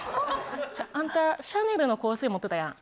あんた、シャネルの香水持ってたやん。